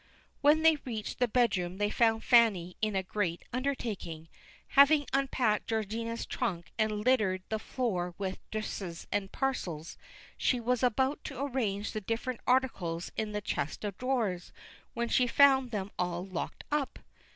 When they reached the bedroom they found Fanny in a great undertaking. Having unpacked Georgina's trunk, and littered the floor with dresses and parcels, she was about to arrange the different articles in the chest of drawers, when she found them all locked up.